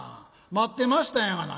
待ってましたんやがな。